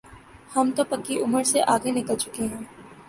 ہم تو پکی عمر سے آگے نکل چکے ہیں۔